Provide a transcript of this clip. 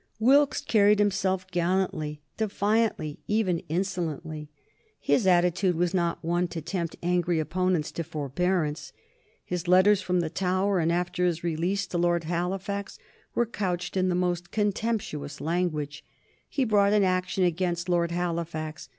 Wilkes carried himself gallantly, defiantly, even insolently. His attitude was not one to tempt angry opponents to forbearance. His letters from the Tower and after his release to Lord Halifax were couched in the most contemptuous language. He brought an action against Lord Halifax.